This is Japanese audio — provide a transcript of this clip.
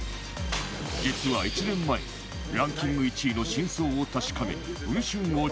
実は１年前ランキング１位の真相を確かめに文春を直撃！